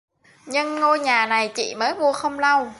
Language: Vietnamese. nhưng ngôi nhà này chị mới mua không lâu